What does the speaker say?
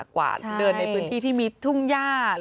กว่าเดินในพื้นที่ที่มีทุ่งย่า